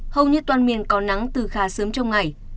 hầu như toàn miền có nắng từ khá sớm trong ngày